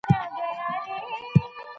فشار د وخت احساس بدلوي.